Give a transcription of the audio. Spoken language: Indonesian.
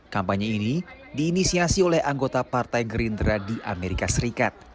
kampanye ini diinisiasi oleh anggota partai gerindra di amerika serikat